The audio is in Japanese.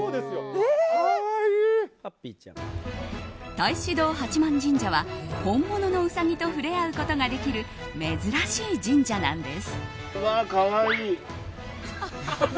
太子堂八幡神社は本物のウサギと触れ合うことができる珍しい神社なんです。